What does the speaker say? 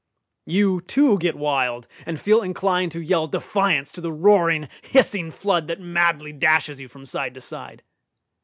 You, too, get wild, and feel inclined to yell defiance to the roaring, hissing flood that madly dashes you from side to side.